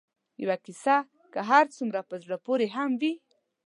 یوه کیسه که هر څومره په زړه پورې هم وي